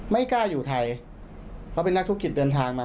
ไม่กล้าอยู่ไทยเพราะเป็นนักธุรกิจเดินทางมา